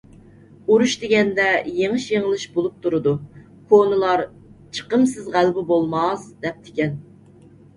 ئۇرۇش دېگەندە يېڭىش - يېڭىلىش بولۇپ تۇرىدۇ، كونىلار «چىقىمسىز غەلىبە بولماس» دەپتىكەن.